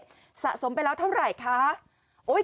ประเทศสะสมไปแล้วเท่าไหร่คะโอ้ย